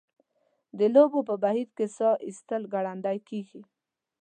د لوبو په بهیر کې ساه ایستل ګړندۍ کیږي.